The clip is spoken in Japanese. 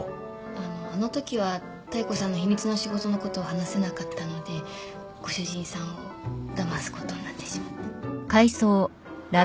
あのあのときは妙子さんの秘密の仕事のことを話せなかったのでご主人さんをだますことになってしまって。